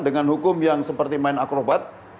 dengan hukum yang seperti main akrobat